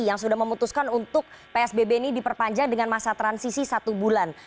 yang sudah memutuskan untuk psbb ini diperpanjang dengan masa transisi satu bulan